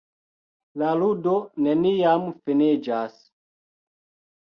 La ludo neniam finiĝas.